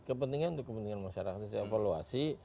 kepentingan untuk kepentingan masyarakat itu evaluasi